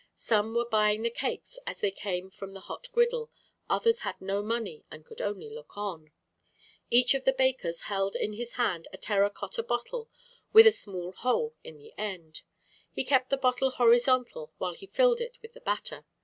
Some were buying the cakes as they came from the hot griddle; others had no money and could only look on. Each of the bakers held in his hand a terra cotta bottle with a small hole in the end. He kept the bottle horizontal while he filled it with the batter.